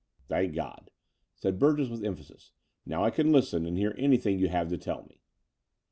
"Thank God," said Burgess with emphasis. "Now I can Usten and hear anything you have to tell me."